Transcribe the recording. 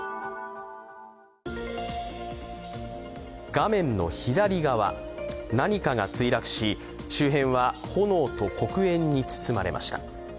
画面の左側、何かが墜落し周辺は炎と黒煙に包まれました。